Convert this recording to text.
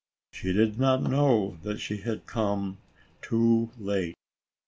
She did not know that she had come too late.